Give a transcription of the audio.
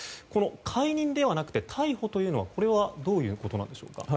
解任ではなくて逮捕というのはこれはどういうことでしょうか。